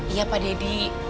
iya pak deddy